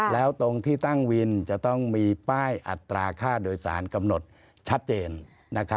แล้วตรงที่ตั้งวินจะต้องมีป้ายอัตราค่าโดยสารกำหนดชัดเจน